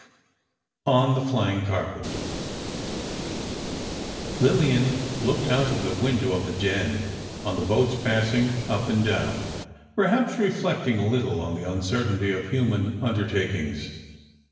XII ON THE FLYING CARPET Lillian looked out of the window of the den, on the boats passing up and down, perhaps reflecting a little on the uncertainty of human undertakings.